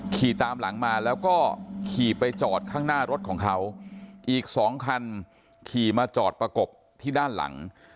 ขี่ตามหลังมาแล้วก็ขี่ไปจอดข้างหน้ารถของเขาอีกสองคันขี่มาจอดประกบที่ด้านหลัง